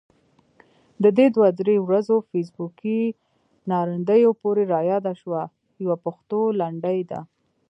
د دې دوه درې ورځو فیسبوکي ناندريو پورې رایاده شوه، يوه پښتو لنډۍ ده: